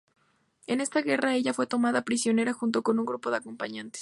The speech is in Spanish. En esa guerra ella fue tomada prisionera, junto con un grupo de acompañantes.